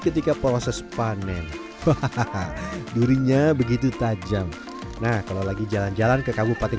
ketika proses panen hahaha durinya begitu tajam nah kalau lagi jalan jalan ke kabupaten